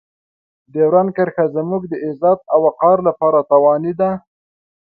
ډیورنډ کرښه زموږ د عزت او وقار لپاره تاواني ده.